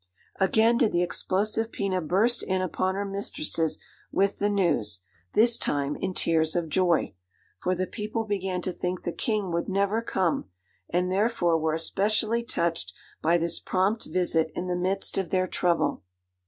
Again did the explosive Pina burst in upon her mistresses with the news, this time in tears of joy, for the people began to think the King would never come, and therefore were especially touched by this prompt visit in the midst of their trouble.